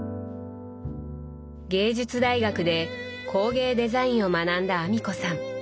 芸術大学で工芸デザインを学んだ阿美子さん。